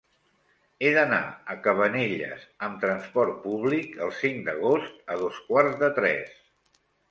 He d'anar a Cabanelles amb trasport públic el cinc d'agost a dos quarts de tres.